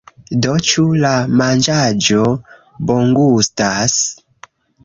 Do, ĉu la manĝaĵo bongustas?